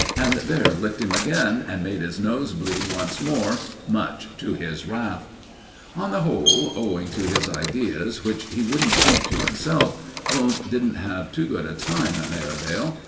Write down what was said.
and there licked him again and made his nose bleed once more, much to his wrath. On the whole, owing to his ideas, which he wouldn't keep to himself, Wundt didn't have too good a time at Merivale.